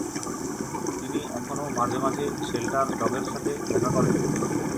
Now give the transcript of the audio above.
তিনি এখনো মাঝে মাঝে শেল্টার ডগের সাথে দেখা করেন।